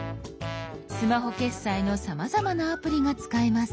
スマホ決済のさまざまなアプリが使えます。